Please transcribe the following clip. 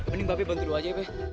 mending mbak be bantu dua aja ya be